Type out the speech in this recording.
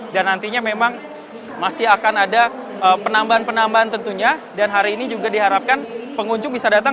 dan nantinya memang masih akan ada penambahan penambahan tentunya dan hari ini juga diharapkan pengunjung bisa datang